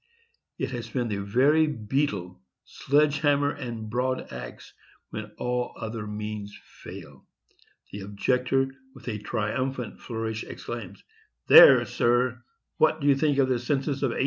It has been the very beetle, sledge hammer and broad axe; and when all other means fail, the objector, with a triumphant flourish, exclaims, "There, sir, what do you think of the census of 1840?